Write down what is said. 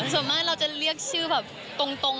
ส่วนมากเราจะเรียกชื่อแบบตรง